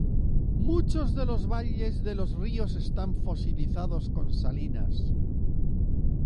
Muchos de los valles de los ríos están fosilizados con salinas.